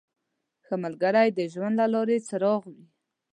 • ښه ملګری د ژوند د لارې څراغ وي.